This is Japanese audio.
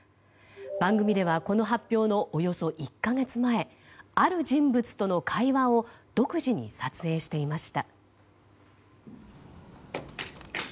番組ではこの発表のおよそ１か月前ある人物との会話を独自に撮影していました。